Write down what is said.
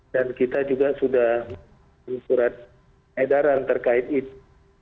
dan kita juga sudah membuat surat edaran terkait itu